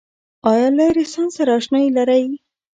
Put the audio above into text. آیا له رنسانس سره اشنایې لرئ؟